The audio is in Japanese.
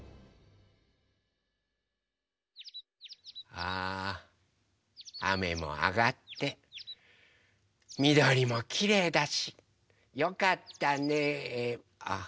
ああめもあがってみどりもきれいだしよかったねえあ。